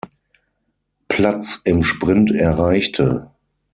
Platz im Sprint erreichte.